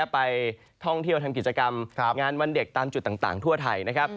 ไปท่องเที่ยวทำกิจกรรมงานวันเด็กตามจุดต่างทั่วไทยนะครับ